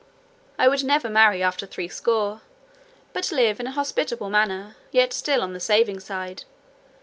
"I would never marry after threescore, but live in a hospitable manner, yet still on the saving side.